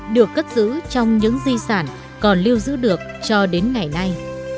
được cất giữ trong những di sản còn lưu giữ được cho đến ngày nay